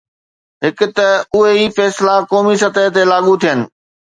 هڪ ته اهي ئي فيصلا قومي سطح تي لاڳو ٿين.